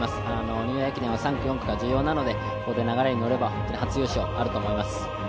ニューイヤー駅伝は３区、４区が重要なのでここで流れに乗れば初優勝はあると思います。